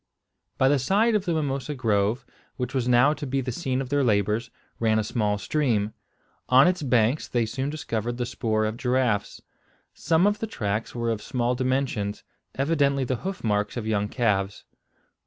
By the side of the mimosa grove, which was now to be the scene of their labours, ran a small stream. On its banks they soon discovered the spoor of giraffes. Some of the tracks were of small dimensions, evidently the hoof marks of young calves.